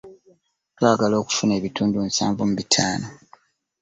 Twagala okufuna ebitundu nsanvu mu bitaano.